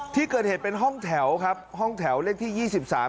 ที่เกิดเหตุเป็นห้องแถวครับห้องแถวเลขที่ยี่สิบสาม